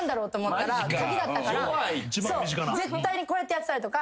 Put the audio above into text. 絶対にこうやってやってたりとか。